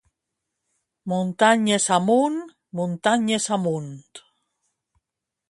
Muntanyes amunt!, muntanyes amunt!